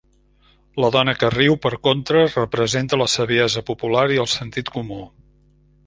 La dona que riu, per contra, representa la saviesa popular i el sentit comú.